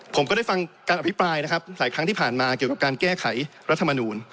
ผมก็ได้ฟังการอภิปรายนะครับหลายครั้งที่ผ่านมาเกี่ยวกับการแก้ไขรัฐมนูล